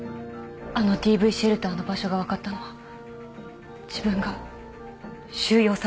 あのＤＶシェルターの場所が分かったのは自分が収容されてたから。